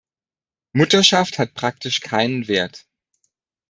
Mutterschaft hat praktisch keinen Wert.